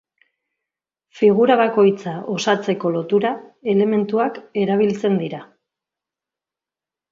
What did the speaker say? Figura bakoitza osatzeko lotura elementuak erabiltzen dira.